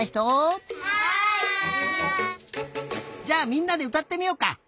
じゃあみんなでうたってみようか。